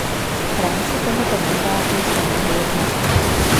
V rámci tohoto mandátu jsme mohli jednat.